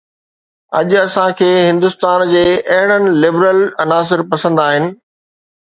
اڄ اسان کي هندستان جي اهڙن لبرل عناصر پسند آهن